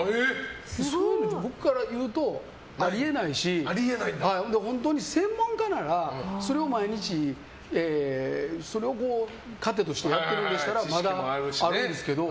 僕からいうとあり得ないし本当に専門家ならそれを毎日、糧としてやっているんでしたらまだあるんですけど。